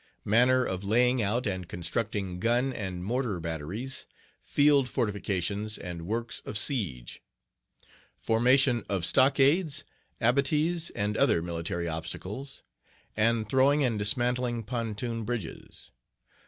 manner of laying out and constructing Gun and Mortar Batteries, Field Fortific ations and Works of Siege; formation of Stockades, Abatis, and other military obstacles; and throwing and dismantling Pontoon Bridges.